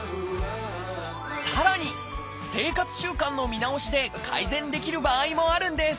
さらに生活習慣の見直しで改善できる場合もあるんです。